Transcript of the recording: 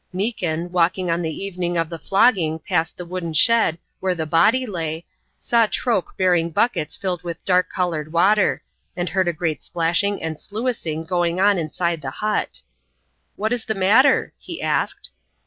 Meekin, walking on the evening of the flogging past the wooden shed where the body lay, saw Troke bearing buckets filled with dark coloured water, and heard a great splashing and sluicing going on inside the hut. "What is the matter?" he asked.